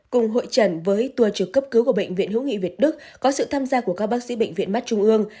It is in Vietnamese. cùng hội trần với tour trực cấp cứu của bệnh viện hữu nghị việt đức có sự tham gia của các bác sĩ bệnh viện mắt trung ương